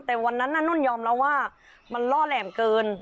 แต่วันนั้นน่ะนุ่นยอมรับว่ามันล่อแหลมเกิน